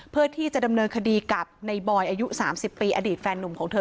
เพื่อที่จะดำเนินคดีกับในบอยอายุ๓๐ปีอดีตแฟนนุ่มของเธอ